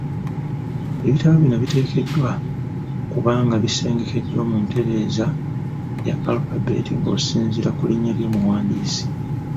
Ebitabo bino biteekwa kuba nga bisengekeddwa mu ntereeza eya alphabet ng’osinziira ku linnya ly’omuwandiisi.